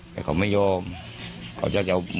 แต่เขาไม่ยอมเจ้าเด็ดอย่างหมด